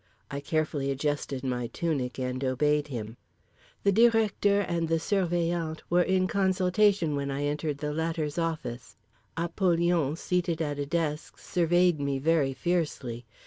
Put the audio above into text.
I carefully adjusted my tunic and obeyed him. The Directeur and the Surveillant were in consultation when I entered the latter's office. Apollyon, seated at a desk, surveyed me very fiercely.